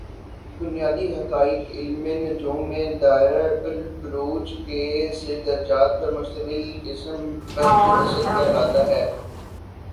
بنیادی حقائق علم نجوم میں دائرۃ البروج کے سے درجات پر مشمل قسم برج اسد کہلاتا ہے